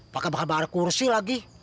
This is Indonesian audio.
pakar pakar kursi lagi